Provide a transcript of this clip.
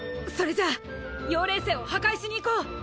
それじゃあ妖霊星を破壊しに行こう！